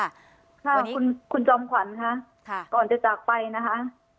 ขอบคุณคุณจอมขวัญค่ะก่อนจะจากไปนะคะ